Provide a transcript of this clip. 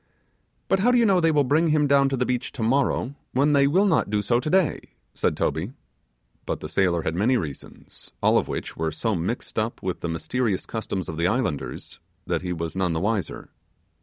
'But how do you know they will bring him down to the beach tomorrow, when they will not do so today?' said Toby. But the sailor had many reasons, all of which were so mixed up with the mysterious customs of the islanders, that he was none the wiser.